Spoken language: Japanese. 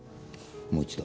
もう一度。